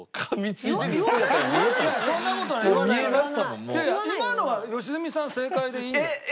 もし今のは良純さん正解でいいんだよ。